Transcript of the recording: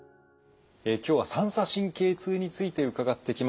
今日は三叉神経痛について伺ってきました。